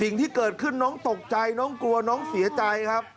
สิ่งที่เกิดขึ้นน้องตกใจน้องกลัวน้องเสียใจครับ